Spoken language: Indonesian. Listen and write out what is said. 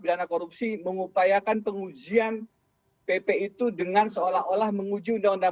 pidana korupsi mengupayakan pengujian pp itu dengan seolah olah menguji undang undang